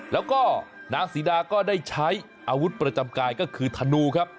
แล้วก็นางศรีดาก็ได้ใช้อาวุธประจำกายก็คือธนูครับ